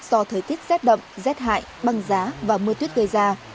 do thời tiết rét đậm rét hại băng giá và mưa tuyết gây ra